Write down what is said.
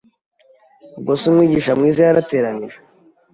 Ubwose Umwigisha mwiza yarateranije